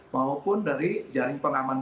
maupun dari jaring pengaman